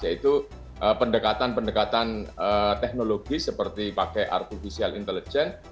yaitu pendekatan pendekatan teknologi seperti pakai artificial intelligence